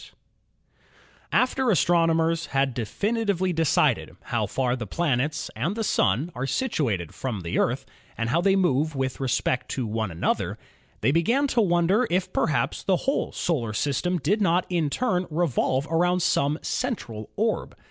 88 ASTRONOMY After astronomers had definitely decided how far the planets and the Sun are situated from the Earth and how they move with respect to one another, they began to won der if perhaps the whole solar system did not in turn re volve around some central orb.